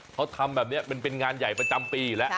เขาทำแบบนี้มันเป็นงานใหญ่ประจำปีอยู่แล้ว